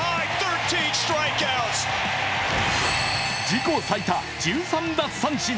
自己最多１３奪三振。